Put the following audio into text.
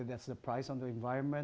apakah itu harga untuk lingkungan